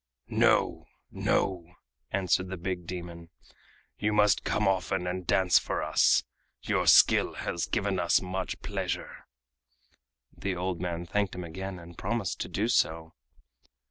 "No, no," answered the big demon. "You must come often and dance for us. Your skill has given us much pleasure." The old man thanked him again and promised to do so.